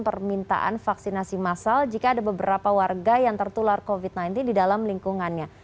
permintaan vaksinasi massal jika ada beberapa warga yang tertular covid sembilan belas di dalam lingkungannya